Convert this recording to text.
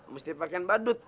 mesti pake badut